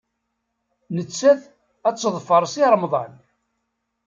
Nettat ad teḍfer Si Remḍan.